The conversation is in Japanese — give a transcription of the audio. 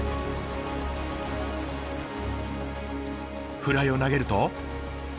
フライを投げると。